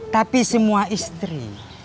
tapi semua istri